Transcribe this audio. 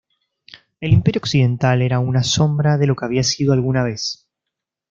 El Imperio occidental era una sombra de lo que había sido alguna vez.